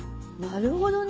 なるほどね。